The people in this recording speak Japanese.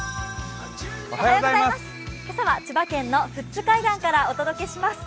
今朝は千葉県の富津海岸からお届けします。